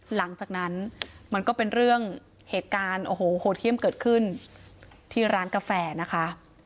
หลังจากนั้นมันก็เป็นเรื่องเหตุการณ์โอ้โหโหเที่ยมเกิดขึ้นที่ร้านกาแฟนะคะ